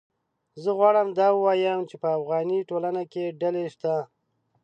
زه غواړم دا ووایم چې په افغاني ټولنه کې ډلې شته